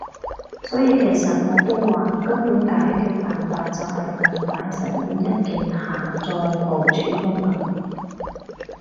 所以其實我都話，根本解決辦法就係儘快實現一鍵下載部署功能